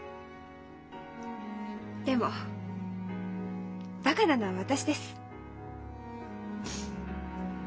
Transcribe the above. でもバカなのは私です。